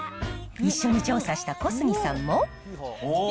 一緒に調査した小杉さんも。